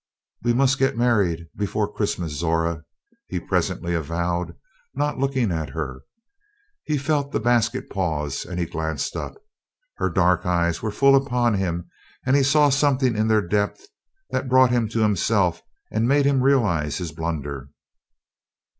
"We must get married before Christmas, Zora," he presently avowed, not looking at her. He felt the basket pause and he glanced up. Her dark eyes were full upon him and he saw something in their depths that brought him to himself and made him realize his blunder.